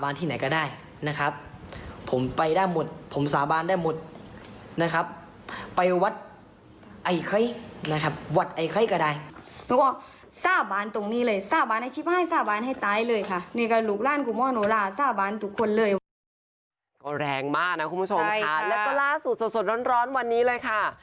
ก็แรงมากนะคุณผู้ชมค่ะแล้วก็ล่าสุดสดร้อนวันนี้เลยค่ะ